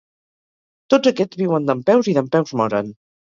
Tots aquests viuen dempeus i dempeus moren.